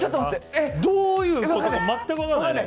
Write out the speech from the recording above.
どういうことか全く分からないよね。